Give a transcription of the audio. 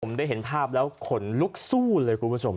ผมได้เห็นภาพแล้วขนลุกสู้เลยคุณผู้ชม